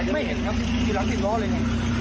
ไม่เห็นครับไม่เห็นหลักทิศร้อมเลย